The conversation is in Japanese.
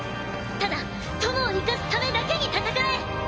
ただ友を生かすためだけに戦え！